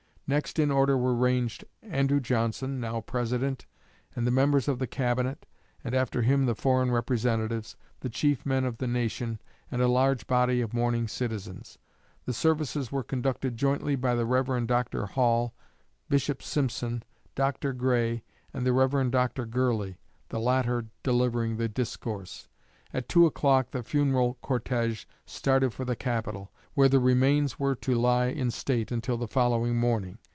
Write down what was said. Next in order were ranged Andrew Johnson (now President) and the members of the Cabinet, and after them the foreign representatives, the chief men of the nation, and a large body of mourning citizens. The services were conducted jointly by the Rev. Dr. Hall, Bishop Simpson, Dr. Gray, and the Rev. Dr. Gurley, the latter delivering the discourse. At two o'clock the funeral cortege started for the Capitol, where the remains were to lie in state until the following morning.